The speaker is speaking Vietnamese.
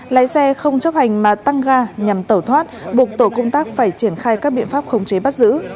lái xe không chấp hành mà tăng ga nhằm tẩu thoát buộc tổ công tác phải triển khai các biện pháp khống chế bắt giữ